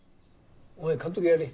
お前監督やれ。